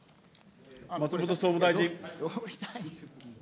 松本総務大臣。